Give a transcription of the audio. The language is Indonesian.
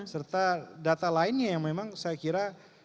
serta data lainnya yang memang saya kira